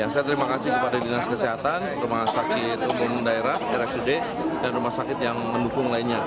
saya terima kasih kepada dinas kesehatan rumah sakit umum daerah rsud dan rumah sakit yang mendukung lainnya